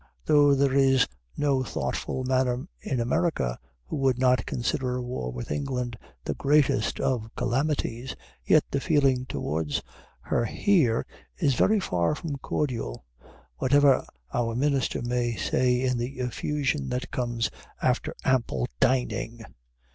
Though there is no thoughtful man in America who would not consider a war with England the greatest of calamities, yet the feeling towards her here is very far from cordial, whatever our Minister may say in the effusion that comes after ample dining.